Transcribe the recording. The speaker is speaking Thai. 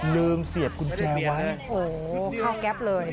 ลืมเสียบคุณแชร์ไว้โอ้โหเข้าแก๊ปเลย